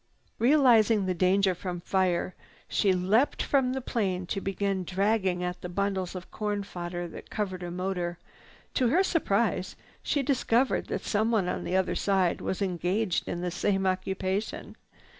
Realizing the danger from fire, she leaped from the plane to begin dragging at the bundles of corn fodder that covered her motor. To her surprise, she discovered that someone on the other side was engaged in the same occupation.